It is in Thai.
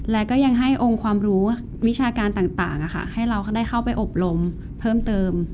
และก็ยังให้องค์ความรู้วิชาการต่างให้เราได้เข้าไปอบรมเพิ่มเติม